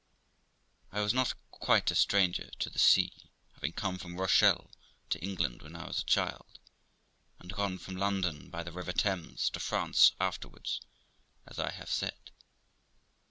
I was not quite a stranger to the sea, having come from Rochelle to England when I was a child, and gone from London, by the River Thames, to France afterward, as I have said.